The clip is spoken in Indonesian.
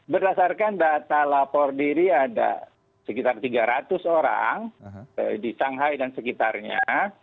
berdasarkan data lapor diri ada sekitar tiga ratus orang di shanghai dan sekitarnya